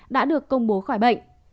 đã được công bố khỏi bệnh